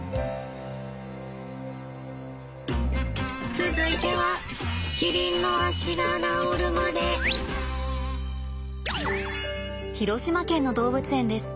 続いては広島県の動物園です。